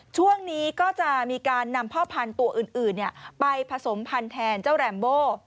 ช่วงนี้ก็จะมีการนำพ่อพันธุ์ตัวอื่นไปผสมพันธุ์แทนเจ้าแรมโบ